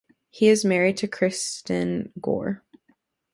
He is married to Kristin Gore.